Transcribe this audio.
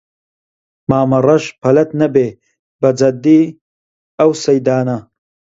مامەڕەش پەلەت نەبێ بە جەددی ئەو سەیدانە